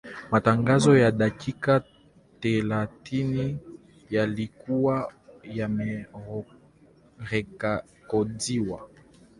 Matangazo ya dakika thelathini yalikuwa yamerekodiwa